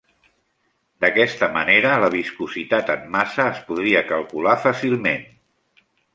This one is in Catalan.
D'aquesta manera, la viscositat en massa es podria calcular fàcilment.